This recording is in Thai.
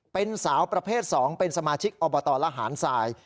เป็นสาวประเภท๒เป็นสมาชิกอบตระหารสาย